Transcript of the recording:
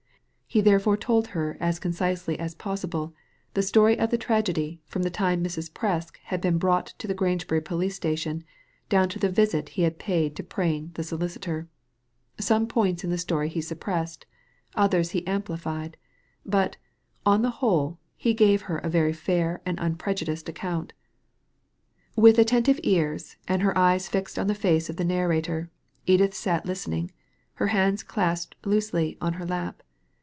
He therefore told her as concisely as possible the story of the tragedy from the time Mrs. Presk had been brought to the Grangebury police station, down to the visit he had paid to Prain the solicitor. Some points in the story he suppressed, others he amplified ; but, on the whole, he gave her a very fair and unprejudiced a rr mint. th attentive ears, and her eyes fixed on the y{ the narrator, Edith sat listening, her hands ui loosely on her lap.